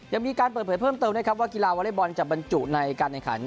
ยังมีการเปิดเผยเพิ่มเติมนะครับว่ากีฬาวอเล็กบอลจะบรรจุในการแข่งขัน